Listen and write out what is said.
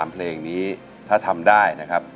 เพลงนี้ถ้าทำได้นะครับ